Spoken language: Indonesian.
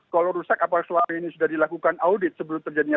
kalau rusak apa selama ini sudah dilakukan audit sebelum terjadinya